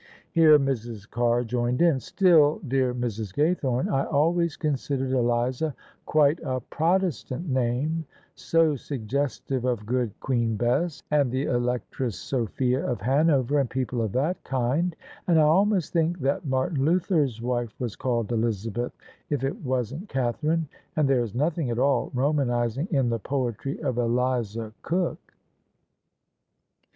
Here Mrs. Carr joined in. " Still, dear Mrs. Gaythome, I always considered Eliza quite a Protestant name — so sug gestive of good Queen Bess and the Electress Sophia of Hanover and people of that kind: and I almost think that Martin Luther's wife was called Elizabeth if it wasn't Catherine, and there is nothing at all Romanising in the poetry of Eliza Cooke."